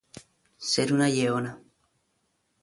Ser una lleona.